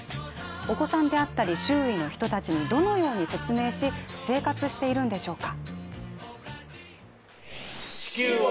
お子さんであったり、周囲の人たちにどのように説明し生活しているんでしょうか。